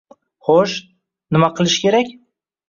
Xo'sh, nima qilish kerak